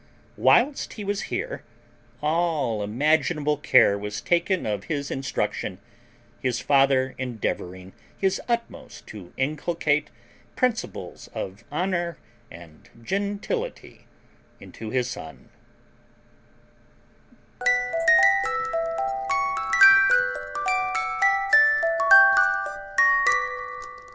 Whilst he was here, all imaginable care was taken of his instruction, his father endeavouring his utmost to inculcate principles of honour and gentility into his son.